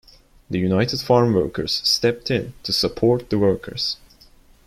The United Farm Workers stepped in to support the workers.